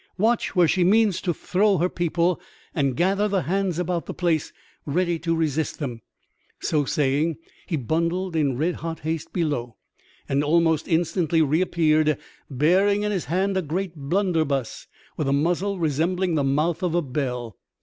Watch where she means to throw her people and gather the hands about the place ready to resist them." So saying he bundled in red hot haste below, and almost instantly reappeared bearing in his hand a great blunderbuss with a muzzle resembling the mouth of a bell.